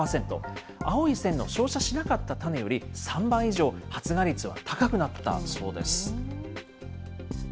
青い線の照射しなかった種より３倍以上、発芽率は高くなったそうです。